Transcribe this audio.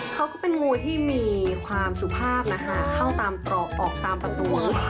เขาก็เป็นงูที่มีความสุภาพนะคะเข้าตามตรอกออกตามตัวตัว